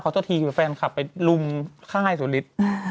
เขาเจ้าทีแฟนคับไปลุมค่ายสุริทธิ์